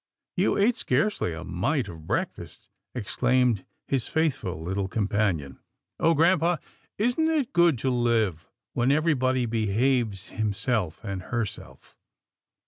" You ate scarcely a mite of breakfast," ex claimed his faithful little companion, " Oh grampa ! isn't it good to live when everybody behaves him self and herself